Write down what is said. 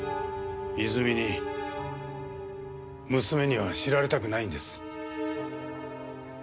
泉に娘には知られたくないんです。